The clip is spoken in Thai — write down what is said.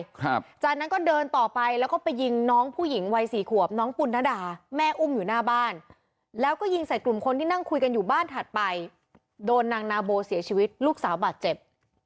ครับจากนั้นก็เดินต่อไปแล้วก็ไปยิงน้องผู้หญิงวัยสี่ขวบน้องปุณดาแม่อุ้มอยู่หน้าบ้านแล้วก็ยิงใส่กลุ่มคนที่นั่งคุยกันอยู่บ้านถัดไปโดนนางนาโบเสียชีวิตลูกสาวบาดเจ็บ